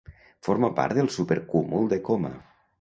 Forma part del supercúmul de Coma.